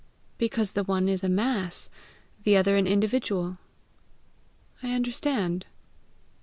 "Because the one is a mass, the other an individual." "I understand."